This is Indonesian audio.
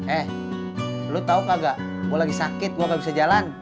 eh lo tau kakak gue lagi sakit gue gak bisa jalan